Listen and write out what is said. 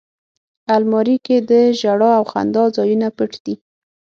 الماري کې د ژړا او خندا ځایونه پټ دي